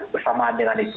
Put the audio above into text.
bersamaan dengan itu